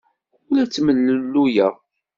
Ur la ttemlelluyeɣ.